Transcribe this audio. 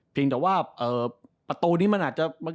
เพียงแต่ว่าประตูนี้มันอาจจะ